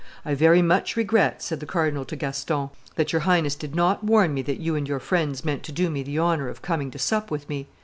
"I very much, regret," said the cardinal to Gaston, "that your Highness did, not warn me that you and your friends meant to do me the honor of coming to sup with me.